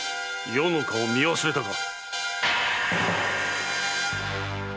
余の顔を見忘れたか？